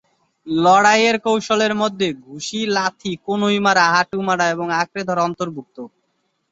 লড়াইয়ের কৌশলের মধ্যে ঘুষি, লাথি, কনুই মারা, হাঁটু মারা এবং আঁকড়ে ধরা অন্তর্ভুক্ত।